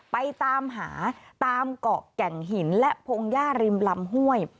ไปตามหาตามเกาะแก่งหินและพงหญ้าริมลำห้วย